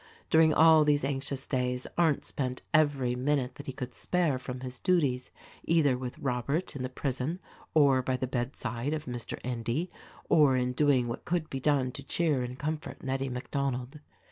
During all these anxious days Arndt spent every minute that he could spare from his duties either with Robert in the prison or by the bedside of Mr. Endy or in doing what could be done to cheer and comfort Nettie MacDonald.